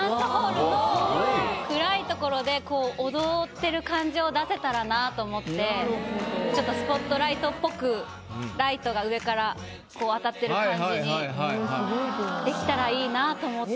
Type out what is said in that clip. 暗い所で踊ってる感じを出せたらなと思ってちょっとスポットライトっぽくライトが上からこう当たってる感じにできたら良いなと思って。